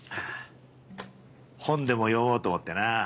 本でも読もうと思ってなぁ。